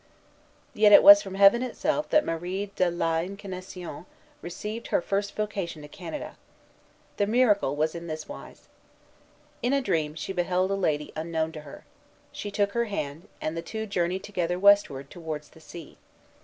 Yet it was from heaven itself that Marie de l'Incarnation received her first "vocation" to Canada. The miracle was in this wise. In a dream she beheld a lady unknown to her. She took her hand; and the two journeyed together westward, towards the sea.